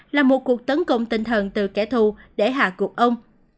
là một cuộc tấn công tinh thần từ kẻ thù để hạ cuộc ông